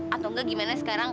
atau enggak gimana sekarang